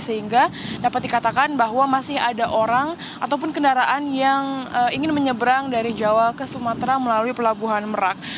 sehingga dapat dikatakan bahwa masih ada orang ataupun kendaraan yang ingin menyeberang dari jawa ke sumatera melalui pelabuhan merak